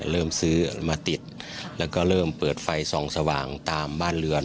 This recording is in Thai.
เริ่มซื้อมาติดแล้วก็เริ่มเปิดไฟส่องสว่างตามบ้านเรือน